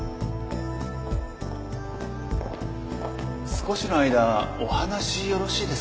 少しの間お話よろしいですか？